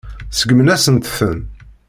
Seggmen-asent-ten.